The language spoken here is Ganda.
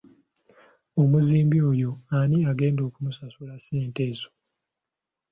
Omuzimbi oyo ani agenda okumusasula ssente ezo?